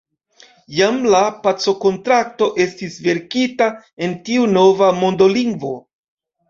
Jam la pacokontrakto estis verkita en tiu nova mondolingvo.